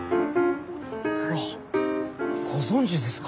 あらご存じですか？